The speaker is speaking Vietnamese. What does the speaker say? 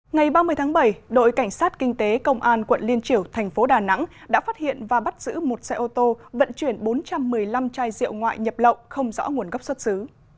ngày ba mươi tháng bảy đội cảnh sát kinh tế công an quận liên triểu thành phố đà nẵng đã phát hiện và bắt giữ một xe ô tô vận chuyển bốn trăm một mươi năm chai rượu ngoại nhập lậu không rõ nguồn gốc xuất xứ